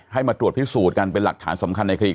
ให้มาตรวจพิสูจน์กันเป็นหลักฐานสำคัญในคดี